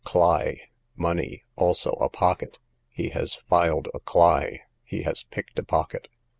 Cly, money; also, a pocket. He has filed a cly; he has picked a pocket.